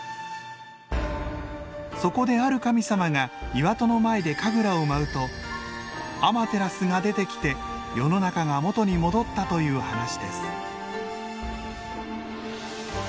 そこである神様が岩戸の前で神楽を舞うとアマテラスが出てきて世の中が元に戻ったという話です。